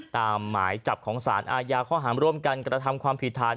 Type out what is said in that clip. หมายจับของสารอาญาข้อหารร่วมกันกระทำความผิดฐาน